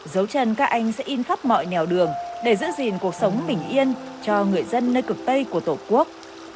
dấu chân các anh sẽ in khắp mọi nèo đường để giữ gìn cuộc sống bình yên cho người dân nơi cực tây của tổ quốc